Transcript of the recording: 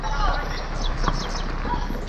د خوارۍ ژرنده ساتي، د کبره مزد نه اخلي.